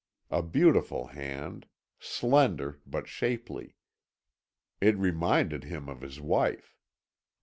A beautiful hand, slender but shapely. It reminded him of his wife.